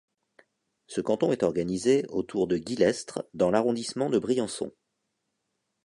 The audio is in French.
Ce canton est organisé autour de Guillestre dans l'arrondissement de Briançon.